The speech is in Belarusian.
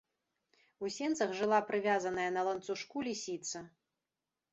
У сенцах жыла прывязаная на ланцужку лісіца.